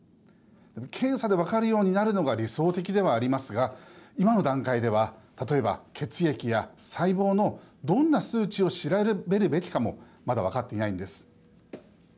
検査で分かるようになるのが理想的ではありますが今の段階では、例えば血液や細胞のどんな数値を調べるべきかもまだ分かっていないんです。